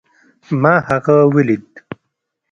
ما هغه وليد